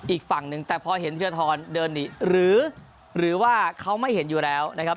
อีกฝั่งหนึ่งแต่พอเห็นธีรทรเดินหนีหรือว่าเขาไม่เห็นอยู่แล้วนะครับ